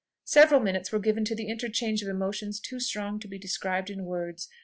Several minutes were given to the interchange of emotions too strong to be described in words.